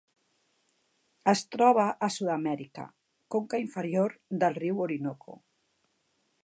Es troba a Sud-amèrica: conca inferior del riu Orinoco.